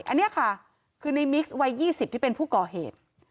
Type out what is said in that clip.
อันนี้ค่ะคือในมิกซ์วัย๒๐ที่เป็นผู้ก่อเหตุ